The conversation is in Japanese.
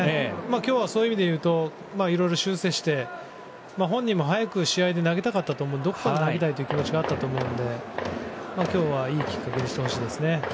今日はそういう意味で言うといろいろ修正して本人も早く試合で投げたいどこかで投げたいという気持ちがあったと思うので今日はいいきっかけにしてほしいですね。